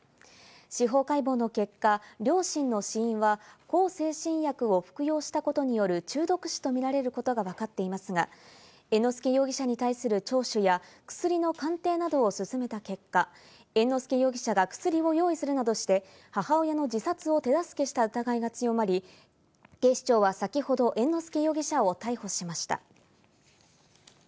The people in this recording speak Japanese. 司法解剖の結果、両親の死因は向精神薬を服用したことによる中毒死とみられることがわかっていますが、猿之助容疑者に対する聴取や薬の鑑定などを進めた結果、猿之助容疑者が薬を用意するなどして、母親の自殺を手助けした疑いが強まり、警視庁は先ほど猿之助容疑者を逮捕しました。